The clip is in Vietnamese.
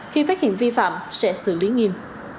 khi phát hiện vi phạm sẽ xử lý nghiêm